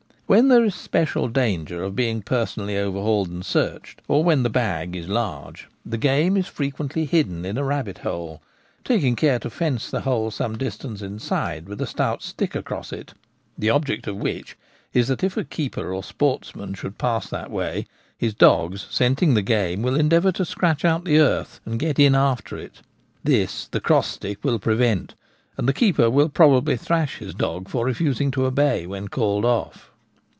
When there is special danger of being personally overhauled and searched, or when the ' bag ' is large, die game is frequently hidden in a rabbit hole, taking care to fence the hole some distance inside with a stout stick across it, the object of which is that if the keeper or a sportsman should pass that way his dogs, scenting the game, will endeavour to scratch out the earth and get in after it. This the cross stick will prevent, and the keeper will probably thrash his dog for refusing to obey when called off.